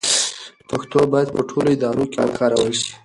پښتو باید په ټولو ادارو کې وکارول شي.